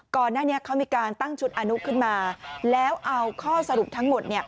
ก่อนหน้านี้เขามีการตั้งชุดอนุขึ้นมาแล้วเอาข้อสรุปทั้งหมด